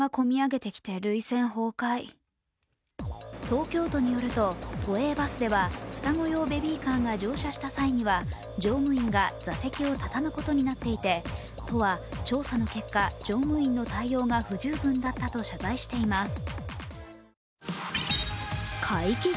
東京都によると都営バスでは双子用ベビーカーが乗車した際には乗務員が座席をたたむことになっていて都は調査の結果、乗務員の対応が不十分だったと謝罪しています。